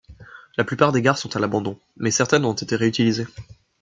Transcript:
La plupart des gares sont à l’abandon, mais certaines ont été réutilisées.